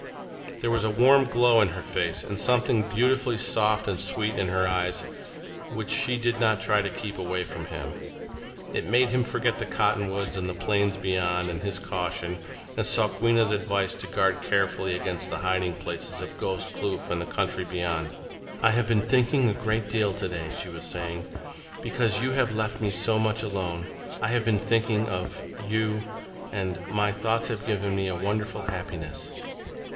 There was a warm glow in her face, and something beautifully soft and sweet in her eyes which she did not try to keep away from him. It made him forget the cottonwoods and the plains beyond, and his caution, and Sokwenna's advice to guard carefully against the hiding places of Ghost Kloof and the country beyond. "I have been thinking a great deal today," she was saying, "because you have left me so much alone. I have been thinking of you. And—my thoughts have given me a wonderful happiness."